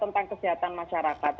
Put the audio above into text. tentang kesehatan masyarakat